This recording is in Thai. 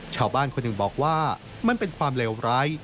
ชาวบ้านคนหนึ่งบอกว่ามันเป็นความเลวร้าย